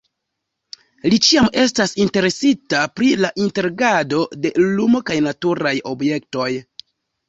Li ĉiam estas interesita pri la interagado de lumo kaj naturaj objektoj.